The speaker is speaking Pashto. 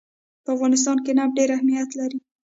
په افغانستان کې نفت ډېر اهمیت لري.